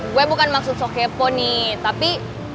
gue bukan maksud sok kepo nih tapi